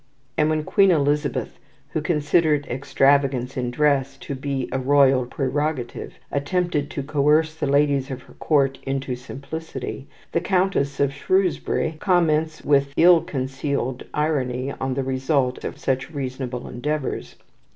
And when Queen Elizabeth, who considered extravagance in dress to be a royal prerogative, attempted to coerce the ladies of her court into simplicity, the Countess of Shrewsbury comments with ill concealed irony on the result of such reasonable endeavours.